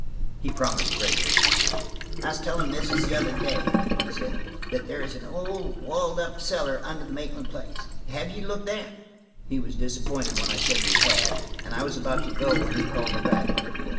He promised gravely. "I was tellin' the missus the other day," he said, "that there is an old walled up cellar under the Maitland place. Have you looked there ?" He was disappointed when I said we had, and I was about to go when he called me back.